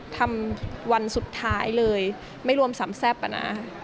วันสุดท้ายเลยไม่รวมสามแซ่บอะนะ